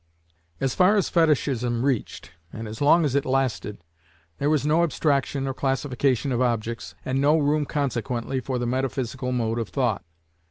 As far as Fetichism reached, and as long as it lasted, there was no abstraction, or classification of objects, and no room consequently for the metaphysical mode of thought.